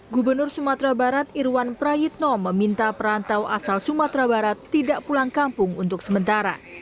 gubernur sumatera barat irwan prayitno meminta perantau asal sumatera barat tidak pulang kampung untuk sementara